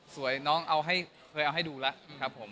สวยน้องเคยเอาให้ดูละครับผม